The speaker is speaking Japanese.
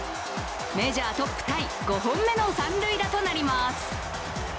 メジャートップタイ５本目の三塁打となります。